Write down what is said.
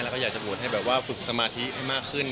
แล้วก็อยากจะบวชให้แบบว่าฝึกสมาธิให้มากขึ้น